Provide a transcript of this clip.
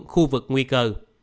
khu vực nguy cơ